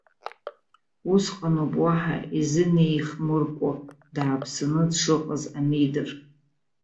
Усҟаноуп, уаҳа изынеихмыркәо дааԥсаны дшыҟаз анидыр.